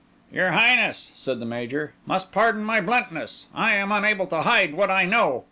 "Your Highness," said the Major, "must pardon my bluntness. I am unable to hide what I know.